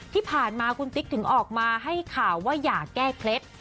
ที่ผ่านมาคุณติ๊กถึงออกมาให้ข่าวว่าอย่าแก้เคล็ด